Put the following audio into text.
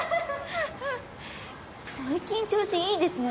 最近調子いいですね。